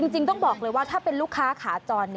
จริงต้องบอกเลยว่าถ้าเป็นลูกค้าขาจร